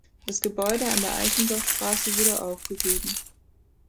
Das Gebäude an der Eichendorffstraße wurde aufgegeben.